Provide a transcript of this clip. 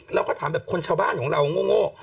เราก็ถามแบบคนชาวบ้านของเราโง่